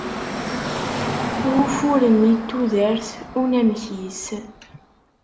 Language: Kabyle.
Wufur-nni n tudert, unamek-is